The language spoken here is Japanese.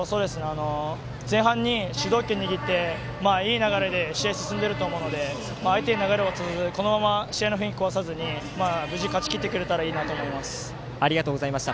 前半に主導権握っていい流れで試合進んでいると思うので相手に流れを渡さずこのまま試合の雰囲気を壊さずに無事、勝ちきってくれたらありがとうございました。